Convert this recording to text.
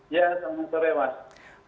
ya selamat sore mas